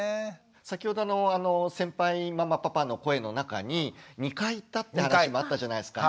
先ほど先輩ママパパの声の中に「２回行った」って話もあったじゃないですか。